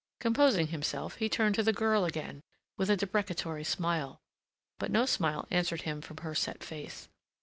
Composing himself, he turned to the girl again with a deprecatory smile. But no smile answered him from her set face.